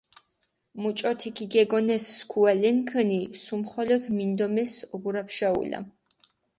მუჭოთი ქიგეგონეს სქუალენქჷნი, სუმიხოლოქ მინდომეს ოგურაფუშა ულა.